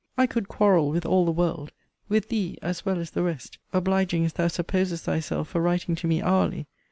I could quarrel with all the world; with thee, as well as the rest; obliging as thou supposest thyself for writing to me hourly.